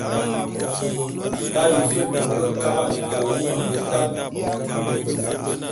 B’aye fe nyoň bekabat awom a betan.